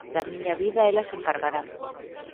Da miña vida ela se encargará.